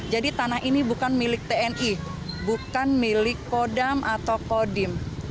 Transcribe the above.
jadi tanah ini bukan milik tni bukan milik kodam atau kodim